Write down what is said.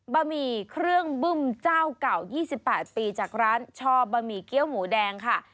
บะหมี่เครื่องบึ้มเจ้าเก่า๒๘ปีจากร้านช่อบะหมี่เกี้ยวหมูแดงค่ะ